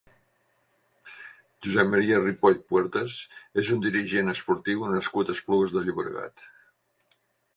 Josep Maria Ripoll Puertas és un dirigent esportiu nascut a Esplugues de Llobregat.